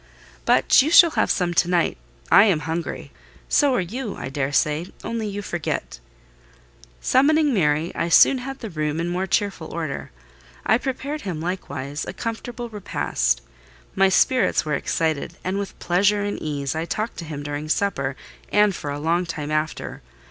"But you shall have some to night. I am hungry: so are you, I daresay, only you forget." Summoning Mary, I soon had the room in more cheerful order: I prepared him, likewise, a comfortable repast. My spirits were excited, and with pleasure and ease I talked to him during supper, and for a long time after.